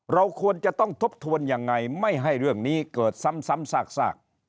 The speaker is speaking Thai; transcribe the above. เราควรจะต้องทบทวนยังไงไม่ให้เรื่องนี้เกิดซ้ำซาก